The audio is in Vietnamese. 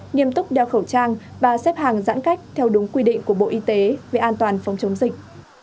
nghiêm túc đeo khẩu trang và xếp hàng giãn cách theo đúng quy định của bộ y tế về an toàn phòng chống dịch